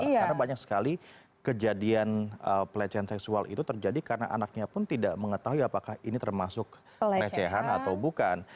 karena banyak sekali kejadian pelecehan seksual itu terjadi karena anaknya pun tidak mengetahui apakah ini termasuk pelecehan atau bukan